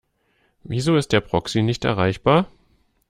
Wieso ist der Proxy nicht erreichbar?